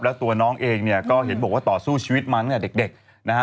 แล้วตัวน้องเองก็เห็นบอกว่าต่อสู้ชีวิตมากับเด็กนะฮะ